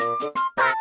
パッ！